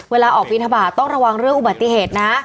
เวลาออกบินทบาทต้องระวังเรื่องอุบัติเหตุนะ